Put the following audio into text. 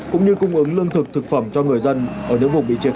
cũng như cung ứng lương thực thực phẩm cho người dân ở những vùng bị chia cắt